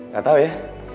gak tau ya